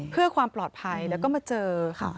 เพื่อความปลอดภัยแล้วก็มาเจอค่ะ